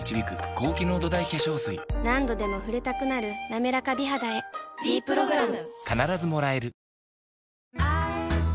何度でも触れたくなる「なめらか美肌」へ「ｄプログラム」